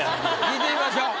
聞いてみましょう。